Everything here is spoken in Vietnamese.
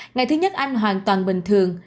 ngày thứ nhất anh hoàn toàn bình thường